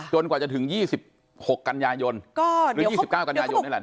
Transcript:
กว่าจะถึง๒๖กันยายนหรือ๒๙กันยายนนี่แหละ